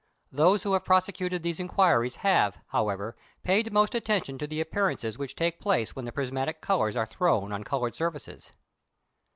Those who have prosecuted these inquiries have, however, paid most attention to the appearances which take place when the prismatic colours are thrown on coloured surfaces.